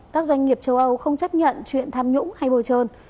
các doanh nghiệp châu âu không chấp nhận chuyện tham nhũng hay bồi trơn